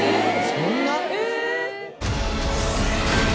そんな？